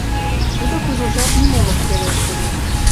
Тудо кужу жап нимом ыш пелеште.